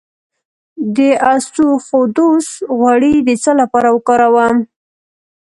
د اسطوخودوس غوړي د څه لپاره وکاروم؟